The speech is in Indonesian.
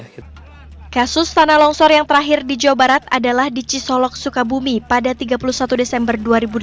kasus tanah longsor yang terakhir di jawa barat adalah di cisolok sukabumi pada tiga puluh satu desember dua ribu dua puluh